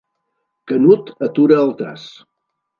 Canut atura el traç.